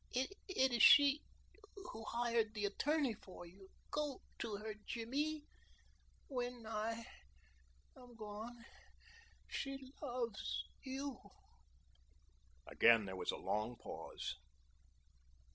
It is she who hired the attorney for you. Go to her Jimmy when I am gone she loves you." Again there was a long pause.